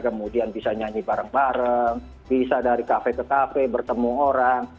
kemudian bisa nyanyi bareng bareng bisa dari kafe ke kafe bertemu orang